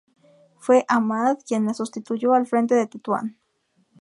Fue Ahmad quien la sustituyó al frente de Tetuán.